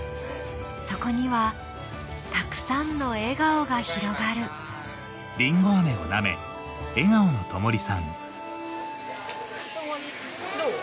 そこにはたくさんの笑顔が広がるどう？